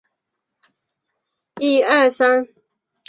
克鲁人以其在大西洋上导向和航行的能力而闻名。